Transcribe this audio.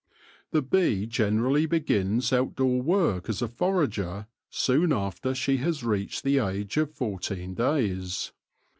The bee generally begins outdoor work as a forager soon after she has reached the age of fourteen days.